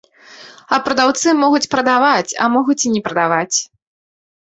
А прадаўцы могуць прадаваць, а могуць і не прадаваць.